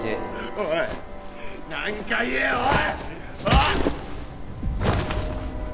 おい何か言えよおい！